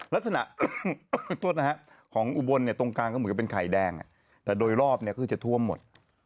ลักษณะของอุบลเนี่ยตรงกลางก็เหมือนกับเป็นไข่แดงแต่โดยรอบเนี่ยก็จะท่วมหมด